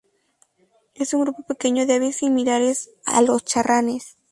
Es un grupo pequeño de aves similares a los charranes.